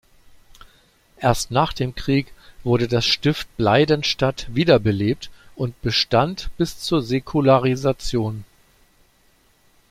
Erst nach dem Krieg wurde das Stift Bleidenstadt wiederbelebt und bestand bis zur Säkularisation.